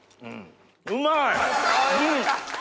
うまい！